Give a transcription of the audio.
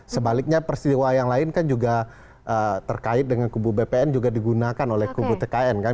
sebaliknya peristiwa yang lain kan juga terkait dengan kubu bpn juga digunakan oleh kubu tkn kan